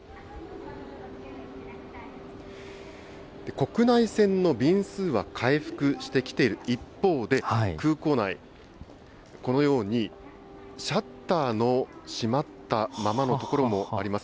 国内線の便数は回復してきている一方で、空港内、このようにシャッターの閉まったままの所もあります。